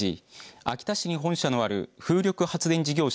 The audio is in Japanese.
秋田市に本社のある風力発電事業者